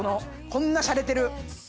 こんなしゃれてる。